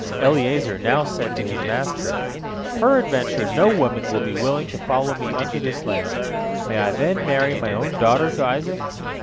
Eliezer now said to his master: "Peradventure no woman will be willing to follow me unto this land. May I then marry my own daughter to Isaac?"